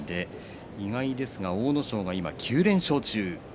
意外ですが阿武咲は今９連勝中。